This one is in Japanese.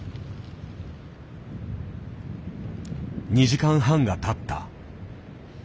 ２時間半がたった。